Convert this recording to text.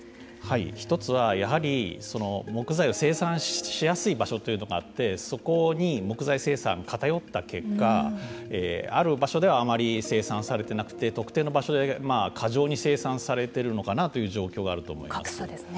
一つはあまり木材を生産しやすい場所というのがあってそこに木材生産が偏った結果ある場所ではあまり生産されてなくて特定の場所で過剰に生産されているのかなという格差ですね。